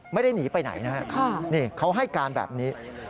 ไม่ได้หนีไปไหนนะครับนี่เขาให้การแบบนี้